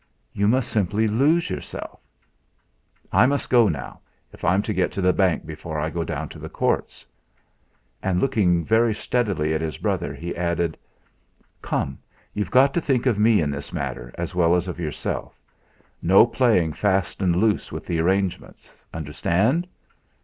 You must simply lose yourself: I must go now, if I'm to get to the Bank before I go down to the courts." And looking very steadily at his brother, he added: "Come! You've got to think of me in this matter as well as of yourself. No playing fast and loose with the arrangements. Understand?"